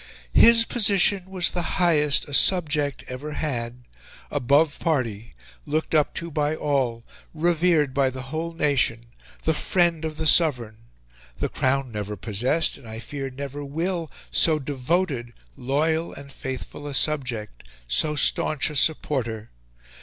"His position was the highest a subject ever had above party looked up to by all revered by the whole nation the friend of the Sovereign... The Crown never possessed and I fear never WILL so DEVOTED, loyal, and faithful a subject, so staunch a supporter!